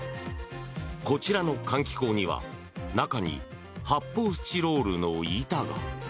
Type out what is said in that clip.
こちらの換気口には真ん中に発泡スチロールの板が。